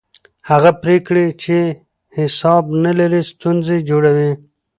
هغه پرېکړې چې حساب نه لري ستونزې جوړوي